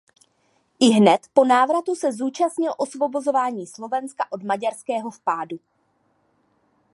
Ihned po návratu se zúčastnil osvobozování Slovenska od maďarského vpádu.